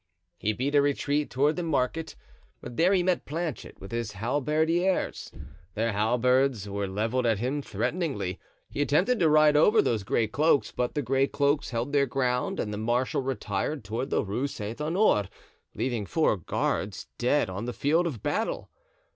He beat a retreat toward the market, but there he met Planchet with his halberdiers; their halberds were leveled at him threateningly. He attempted to ride over those gray cloaks, but the gray cloaks held their ground and the marshal retired toward the Rue Saint Honore, leaving four of his guards dead on the field of battle.